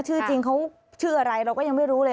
ชื่อจริงเขาชื่ออะไรเราก็ยังไม่รู้เลย